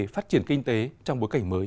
phát triển kinh tế trong bối cảnh mới